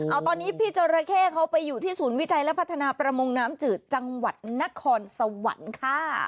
เอาตอนนี้พี่จราเข้เขาไปอยู่ที่ศูนย์วิจัยและพัฒนาประมงน้ำจืดจังหวัดนครสวรรค์ค่ะ